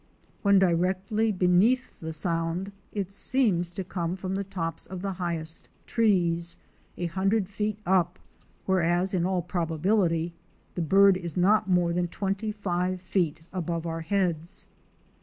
When directly beneath the sound it seems to come from the tops of the highest trees, a hundred feet up, whereas in all probability the bird is not more than twenty five feet above our heads.